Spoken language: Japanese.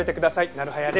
なる早で。